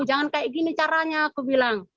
jangan kayak gini caranya aku bilang